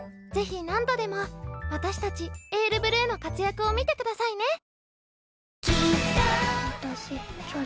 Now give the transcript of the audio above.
ぜひ何度でも私たち「ＡｉＲＢＬＵＥ」の活躍を見てくださいね。